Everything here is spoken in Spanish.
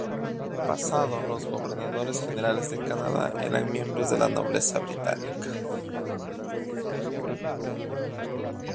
En el pasado, los gobernadores generales de Canadá eran miembros de la nobleza británica.